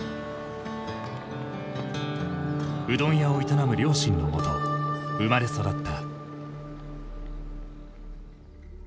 うどん屋を営む両親のもと生まれ育った。